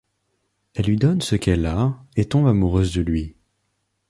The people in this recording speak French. Elle lui donne ce qu'elle a, et tombe amoureuse de lui.